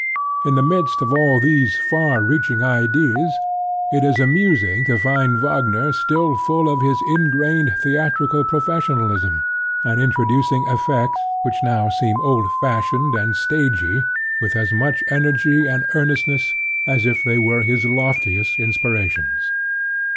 In the midst of all these far reaching ideas, it is amusing to find Wagner still full of his ingrained theatrical professionalism, and introducing effects which now seem old fashioned and stagey with as much energy and earnestness as if they were his loftiest inspirations.